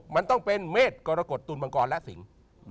มันต้องเป็นเมฆกรกฎตุลมังกรและสิง